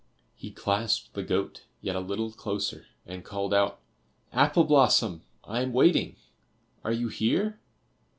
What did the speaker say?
He clasped the goat yet a little closer, and called out, "Apple blossom, I am waiting; are you here?"